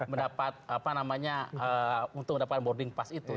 mendapat apa namanya untuk mendapatkan boarding pass itu